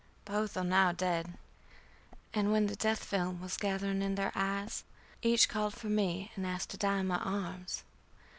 Both are now dead, and when the death film was gathering in the eyes, each called for me and asked to die in my arms.